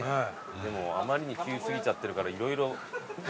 でもあまりに急過ぎちゃってるから色々。